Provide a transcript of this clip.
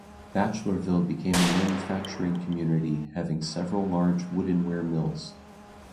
Batchellerville became a manufacturing community having several large woodenware mills.